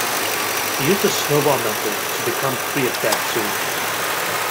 Use the snowball method to become free of debt sooner.